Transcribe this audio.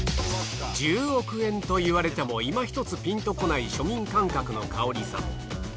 １０億円といわれても今一つピンとこない庶民感覚の華織さん。